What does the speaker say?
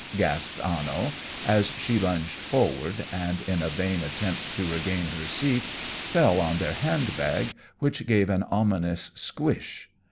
gasped Anno, as she lunged forward, and in a vain attempt to regain her seat fell on their handbag, which gave an ominous squish.